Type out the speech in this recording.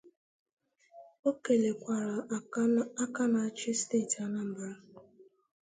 O kelekwara aka na-achị steeti Anambra